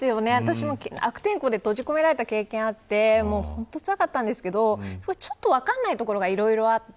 私も悪天候で閉じ込められた経験があって本当につらかったんですけどちょっと分からないところがいろいろあって。